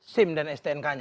sim dan stnk nya